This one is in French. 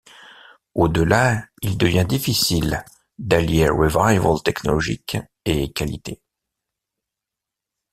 Au delà, il devient difficile d'allier revival technologique et qualité.